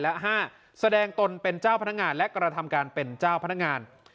และ๕แสดงตนเป็นเจ้าพนักงานและกระทำการเป็นเจ้าพนักงาน